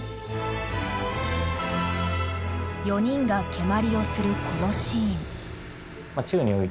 ４人が蹴鞠をするこのシーン。